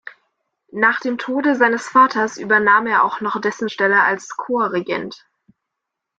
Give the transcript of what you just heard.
Nach dem Tode seines Vaters übernahm er auch noch dessen Stelle als Chorregent.